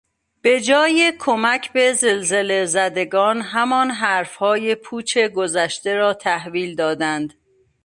به جای کمک به زلزلهزدگان همان حرفهای پوچ گذشته را تحویل دادند.